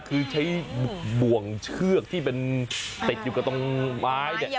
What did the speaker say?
คือใช้บ่วงเชือกที่เป็นติดอยู่ตรงไม้